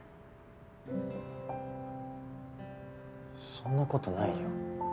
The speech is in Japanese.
そんな事ないよ。